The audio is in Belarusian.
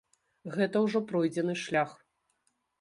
Гэта ўжо пройдзены шлях.